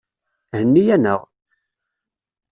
Henni-aneɣ!